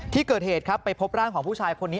ที่เกิดเหตุครับไปพบร่างของผู้ชายคนนี้